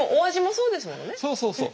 そうそうそう。